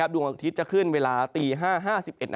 ดวงอาทิตย์จะขึ้นเวลาตี๕๕๑นาที